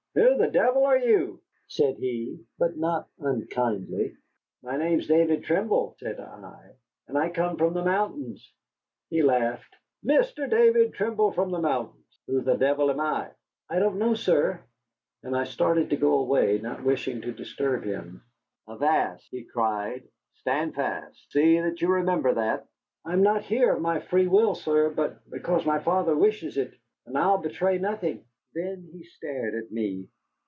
"Who the devil are you?" said he, but not unkindly. "My name is David Trimble," said I, "and I come from the mountains." He laughed. "Mr. David Trimble from the mountains, who the devil am I?" "I don't know, sir," and I started to go away, not wishing to disturb him. "Avast!" he cried. "Stand fast. See that you remember that." "I'm not here of my free will, sir, but because my father wishes it. And I'll betray nothing." Then he stared at me.